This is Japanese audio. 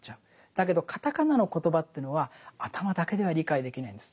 だけどカタカナのコトバというのは頭だけでは理解できないんです。